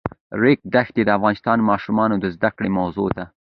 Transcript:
د ریګ دښتې د افغان ماشومانو د زده کړې موضوع ده.